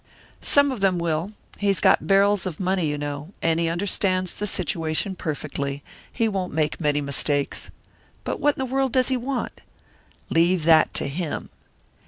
"Some of them will. He's got barrels of money, you know. And he understands the situation perfectly he won't make many mistakes." "But what in the world does he want?" "Leave that to him."